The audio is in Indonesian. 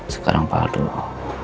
sekarang pak alan dulu